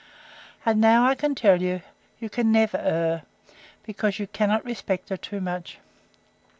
And now I can tell you, you can never err, because you cannot respect her too much.